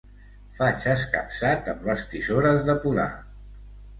Faig escapçat amb les tisores de podar.